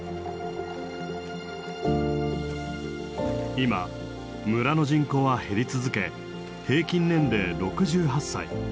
今村の人口は減り続け平均年齢６８歳。